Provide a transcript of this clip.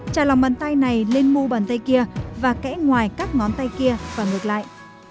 trả lòng bàn tay này lên mu bàn tay kia và kẽ ngoài các ngón tay kia và ngược lại